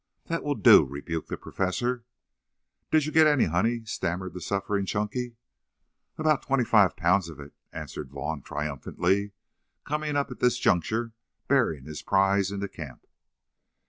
"That will do," rebuked the Professor. "Did you get any honey?" stammered the suffering Chunky. "About twenty five pounds of it," answered Vaughn triumphantly, coming up at this juncture, bearing his prize into camp.